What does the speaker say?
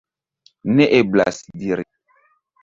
Ne eblas diri.